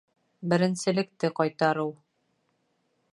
Беренселекте ҡайтарыу